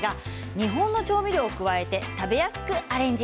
日本の調味料を加えて食べやすくアレンジ。